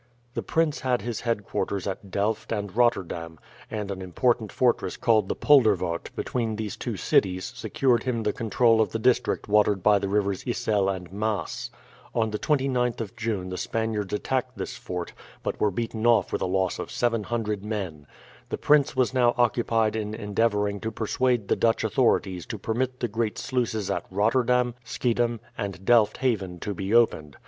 The prince had his headquarters at Delft and Rotterdam, and an important fortress called the Polderwaert between these two cities secured him the control of the district watered by the rivers Yssel and Maas. On the 29th of June the Spaniards attacked this fort, but were beaten off with a loss of 700 men. The prince was now occupied in endeavouring to persuade the Dutch authorities to permit the great sluices at Rotterdam, Schiedam, and Delft Haven to be opened.